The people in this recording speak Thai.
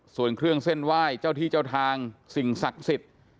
ส่วนเครื่องเส้นไหว้เจ้าที่เจ้าทางสิ่งศักดิ์สิทธิ์